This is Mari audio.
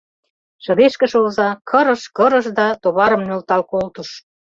Шыдешкыше оза кырыш-кырыш да товарым нӧлтал колтыш.